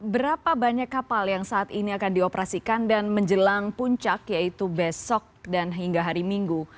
berapa banyak kapal yang saat ini akan dioperasikan dan menjelang puncak yaitu besok dan hingga hari minggu